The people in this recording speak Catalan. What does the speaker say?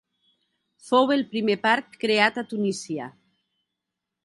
Fou el primer parc creat a Tunísia.